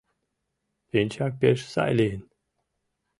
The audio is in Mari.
Пинчак пеш сай лийын.